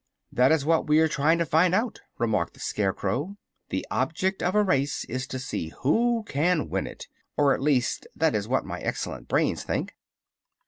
"That is what we are trying to find out," remarked the Scarecrow. "The object of a race is to see who can win it or at least that is what my excellent brains think."